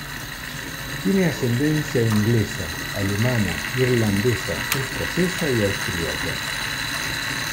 Tiene ascendencia inglesa, alemana, irlandesa, escocesa y austriaca.